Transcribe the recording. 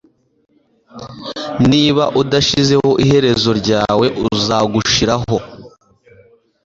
niba udashizeho iherezo ryawe, uzagushiraho